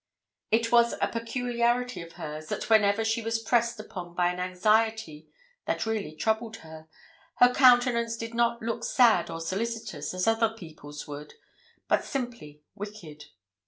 It was a peculiarity of hers, that whenever she was pressed upon by an anxiety that really troubled her, her countenance did not look sad or solicitous, as other people's would, but simply wicked.